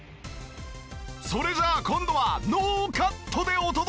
それじゃあ今度はノーカットでお届け！